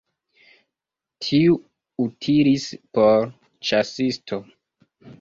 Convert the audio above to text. Tiu utilis por ĉasisto.